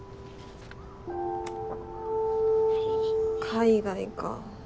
海外か。